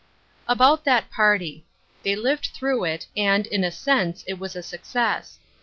About that party. They lived through it, and, in a sense, it was a success.